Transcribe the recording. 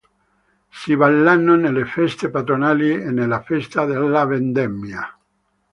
Si ballano nelle feste patronali e nella festa della vendemmia.